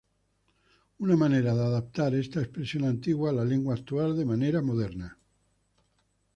Una manera de adaptar esta expresión antigua a la lengua actual de manera moderna.